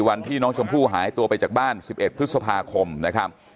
วันที่น้องชมพู่หายตัวไปจากบ้าน๑๑พฤษภาคมนะครับ